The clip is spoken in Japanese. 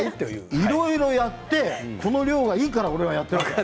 いろいろやって、この量がいいから俺はやっているわけ。